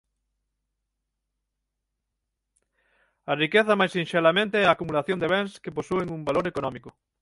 A riqueza mais sinxelamente é a acumulación de bens que posúen un valor económico.